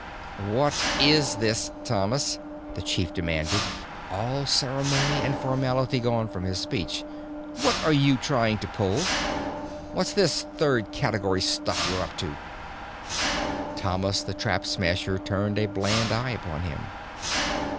"What is this, Thomas?" the chief demanded, all ceremony and formality gone from his speech. "What are you trying to pull? What's this third category stuff you're up to?" Thomas the Trap Smasher turned a bland eye upon him.